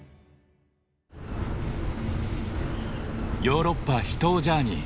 「ヨーロッパ秘湯ジャーニー」。